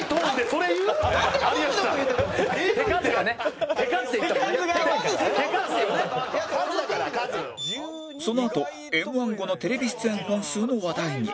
そのあと Ｍ−１ 後のテレビ出演本数の話題に